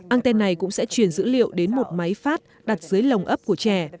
anten này cũng sẽ truyền dữ liệu đến một máy phát đặt dưới lồng ấp của trẻ